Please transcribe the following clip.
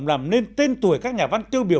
làm nên tên tuổi các nhà văn tiêu biểu